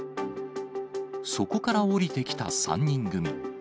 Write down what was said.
そこから降りてきた３人組。